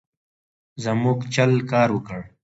زموږ چل کار ورکړ.